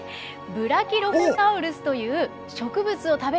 ブラキロフォサウルスという植物を食べる恐竜。